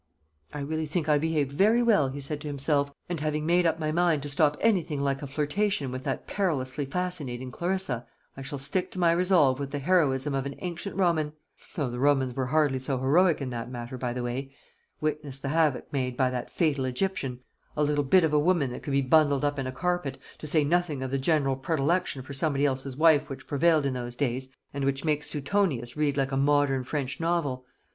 "I really think I behaved very well," he said to himself; "and having made up my mind to stop anything like a flirtation with that perilously fascinating Clarissa, I shall stick to my resolve with the heroism of an ancient Roman; though the Romans were hardly so heroic in that matter, by the way witness the havoc made by that fatal Egyptian, a little bit of a woman that could be bundled up in a carpet to say nothing of the general predilection for somebody else's wife which prevailed in those days, and which makes Suetonius read like a modern French novel.